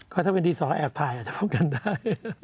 ก็ถ้าเป็นดินสอแอบถ่ายอาจจะป้องกันได้